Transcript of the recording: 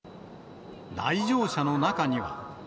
来場者の中には。